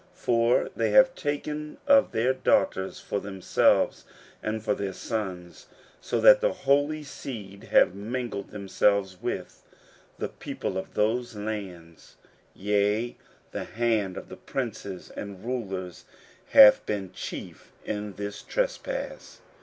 15:009:002 For they have taken of their daughters for themselves, and for their sons: so that the holy seed have mingled themselves with the people of those lands: yea, the hand of the princes and rulers hath been chief in this trespass.